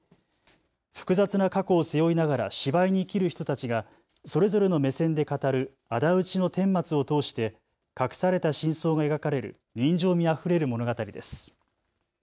複雑な過去を背負いながら芝居に生きる人たちがそれぞれの目線で語るあだ討ちのてんまつを通して隠された真相が描かれる人情味あふれる物語です。